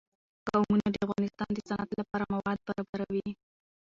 قومونه د افغانستان د صنعت لپاره مواد برابروي.